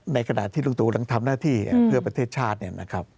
ในขณะที่แรงทำหน้าที่เพื่อประเทศชาติ